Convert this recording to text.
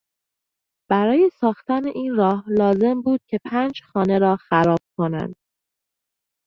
برای ساختن این راه لازم بود که پنج خانه را خراب کنند.